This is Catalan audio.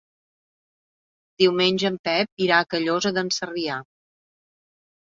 Diumenge en Pep irà a Callosa d'en Sarrià.